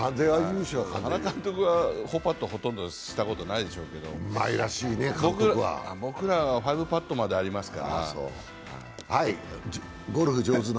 原監督は４パット、ほとんどしたことないでしょうけど、僕らは５パットまでありますから。